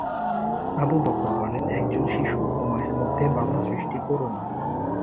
আবু বকর বলেন, "একজন শিশু ও মায়ের মাঝে বাঁধা সৃষ্টি করোনা।"